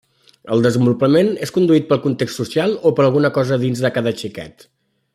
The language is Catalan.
El desenvolupament és conduït pel context social o per alguna cosa dins de cada xiquet?